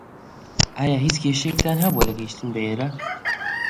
ئایا هیچ کێشەیەکتان هەبووە لە گەیشتن بە ئێرە؟